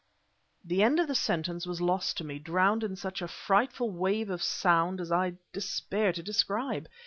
The end of the sentence was lost to me drowned in such a frightful wave of sound as I despair to describe.